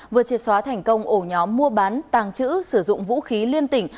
vừa triệt xóa thành công ổ nhóm mua bán tàng trữ sử dụng vũ khí liên tỉnh